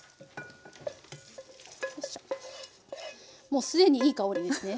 もう既にいい香りですね。